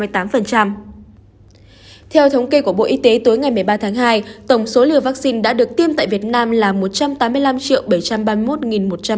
theo thống kê của bộ y tế tối ngày một mươi ba tháng hai tổng số liều vaccine đã được tiêm tại việt nam là một trăm tám mươi năm triệu bảy trăm ba mươi một một trăm ba mươi bốn liều